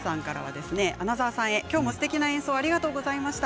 穴澤さんへ、きょうもすてきな演奏ありがとうございました。